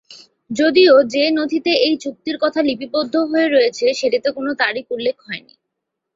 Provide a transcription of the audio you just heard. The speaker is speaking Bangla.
যদিও যে নথিতে এই চুক্তির কথা লিপিবদ্ধ হয়ে রয়েছে সেটিতে কোনও তারিখ উল্লিখিত হয়নি।